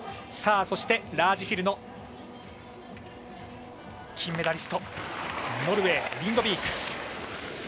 そしてラージヒルの金メダリストノルウェー、リンドビーク。